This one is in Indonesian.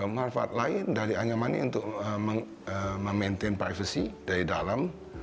manfaat lain dari anyaman ini untuk memaintain privacy dari dalam